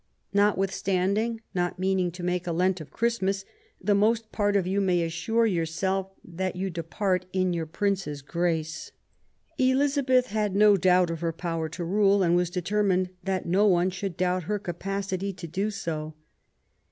Notwithstanding, not meaning to make a Lent of Christmas, the most part of you may assure yourselves that you depart in your Prince's grace." Elizabeth had no doubt of her power to rule and was determined that no one should doubt her capa city to do so.